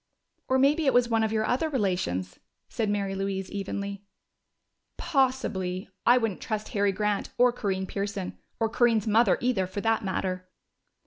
"Or maybe it was one of your other relations," said Mary Louise evenly. "Possibly. I wouldn't trust Harry Grant or Corinne Pearson. Or Corinne's mother, either, for that matter!"